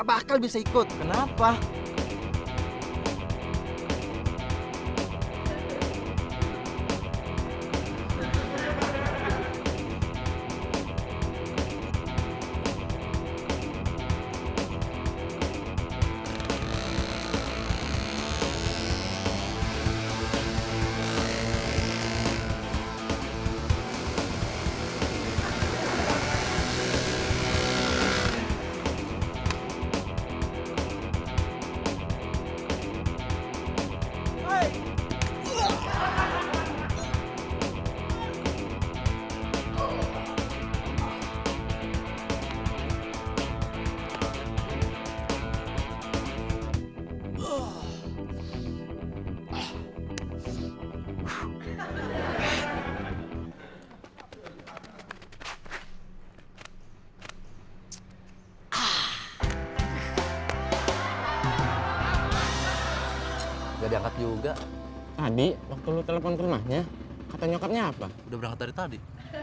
masih bisa berdiri